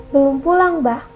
belum pulang mbak